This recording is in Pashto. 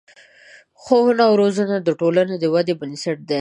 ښوونه او روزنه د ټولنې د ودې بنسټ دی.